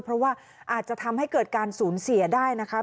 เพราะว่าอาจจะทำให้เกิดการสูญเสียได้นะคะ